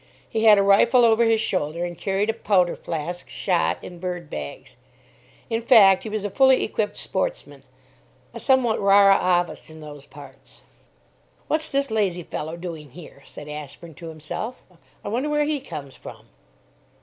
He had a rifle over his shoulder, and carried a powder flask, shot and bird bags. In fact, he was a fully equipped sportsman, a somewhat rara avis in those parts. "What's this lazy fellow doing here?" said Ashburn, to himself. "I wonder where he comes from?"